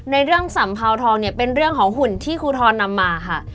ในเรื่องสัมภาวทองเนี่ยเป็นเรื่องของหุ่นที่ครูทรนำมาค่ะ